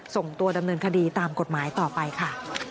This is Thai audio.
ส่งตัวดำเนินคดีตามกฎหมายต่อไปค่ะ